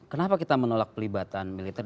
kenapa kita menolak pelibatan militer